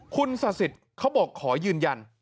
คุณสะสิดเขาบอกขอยืนยัน